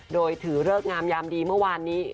โดยถือเลิกงามยามดีเมื่อวานนี้